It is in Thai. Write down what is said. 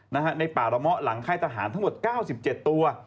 ในป่าระเมาะหลังค่ายทหารทั้งหมด๙๗ตัว